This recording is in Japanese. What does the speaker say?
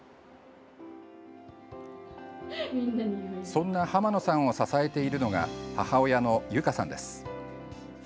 そんな濱野さんを支えているのが母親の由佳さんです。